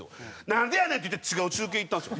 「なんでやねん！」って言って違う中継いったんですよ。